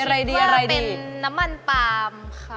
ชื่อว่าเป็นน้ำมันปาบค่ะ